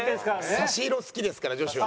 差し色好きですから女子は。